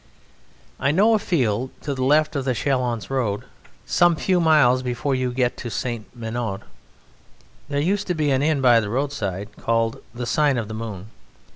I know a field to the left of the Chalons Road, some few miles before you get to Ste. Menehould. There used to be an inn by the roadside called "The Sign of the Moon."